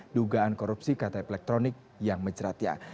dugaan korupsi kata elektronik yang menjeratnya